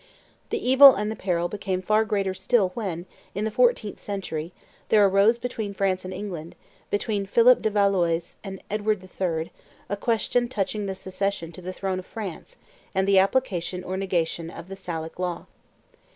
The evil and the peril became far greater still when, in the fourteenth century, there arose between France and England, between Philip de Valois and Edward III., a question touching the succession to the throne of France and the application or negation of the Salic law.